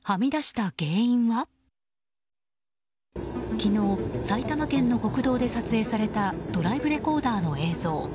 昨日埼玉県の国道で撮影されたドライブレコーダーの映像。